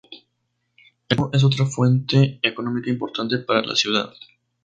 El turismo es otra fuente económica importante para la ciudad.